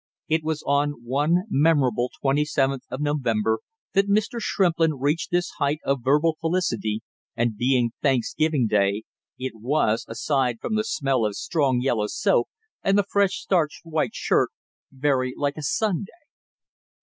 It was on one memorable twenty seventh of November that Mr. Shrimplin reached this height of verbal felicity, and being Thanksgiving day, it was, aside from the smell of strong yellow soap and the fresh starched white shirt, very like a Sunday.